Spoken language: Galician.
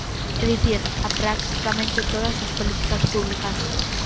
É dicir, a practicamente todas as políticas públicas.